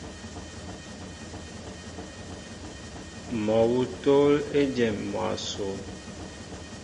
Mol awŭ tól ejém mwaso.